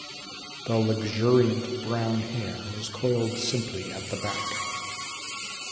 The luxuriant brown hair was coiled simply at the back.